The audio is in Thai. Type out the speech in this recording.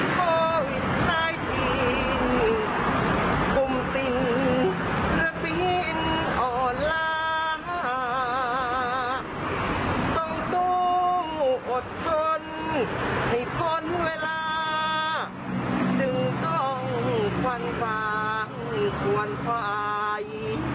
ต้องสู้อดทนให้ต้นเวลาจึงต้องควันฝังควรฝ่าย